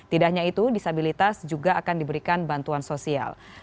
tidak hanya itu disabilitas juga akan diberikan bantuan sosial